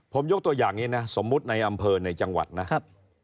ผมยกตัวอย่างนี้นะสมมุติในอำเภอในจังหวัดนะครับ